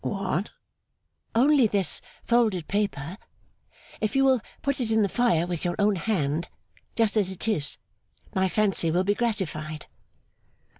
'What?' 'Only this folded paper. If you will put it in the fire with your own hand, just as it is, my fancy will be gratified.